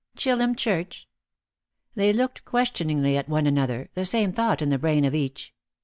"Chillum Church." They looked questioningly at one another, the same thought in the brain of each.